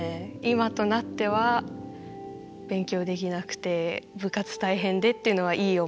今となっては勉強できなくて部活大変でっていうのはいい思い出ですね。